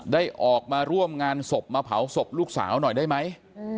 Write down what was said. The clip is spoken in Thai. ได้ออกมาร่วมงานศพมาเผาศพลูกสาวหน่อยได้ไหม